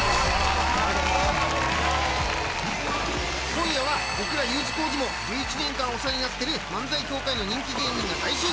今夜は僕らＵ字工事も１１年間お世話になってる漫才協会の人気芸人が大集合！